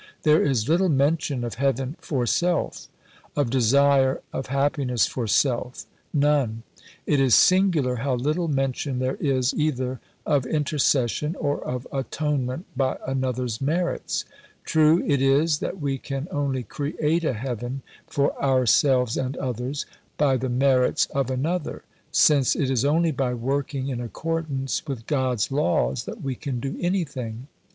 There is little mention of heaven for self; of desire of happiness for self, none. It is singular how little mention there is either of "intercession" or of "Atonement by Another's merits." True it is that we can only create a heaven for ourselves and others "by the merits of Another," since it is only by working in accordance with God's Laws that we can do anything.